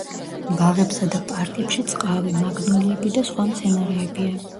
ბაღებსა და პარკებში წყავი, მაგნოლიები და სხვა მცენარეებია.